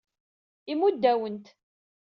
Imudd-awen-t.